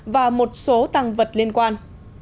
và một số tăng vật liên quan